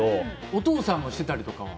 お父さんもしてたりとかは？